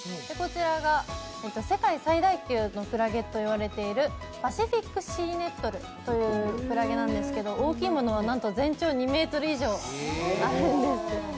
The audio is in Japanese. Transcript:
こちらが世界最大級のクラゲといわれているパシフィックシーネットルというクラゲなんですけど大きいものはなんと、全長２ｍ以上あるんです。